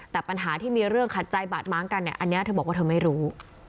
แต่ปัญหาที่มีเรื่องขัดใจบาดม้างกันเนี่ยอันนี้เธอบอกว่าเธอไม่รู้